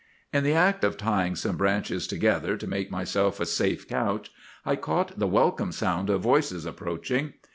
"In the act of tying some branches together to make myself a safe couch, I caught the welcome sound of voices approaching.